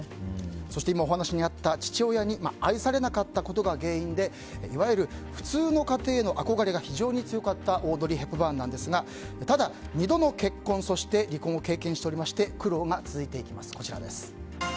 そして今、お話にあった父親に愛されなかったことが原因でいわゆる普通の家庭への憧れが非常に強かったオードリー・ヘプバーンですがただ、２度の結婚そして離婚を経験しておりまして苦労が続いていきます。